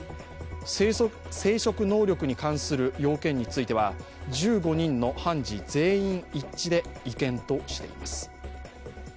生殖能力に関する要件については１５人の判事全員一致の意見としています。